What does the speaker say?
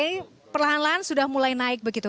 ini perlahan lahan sudah mulai naik begitu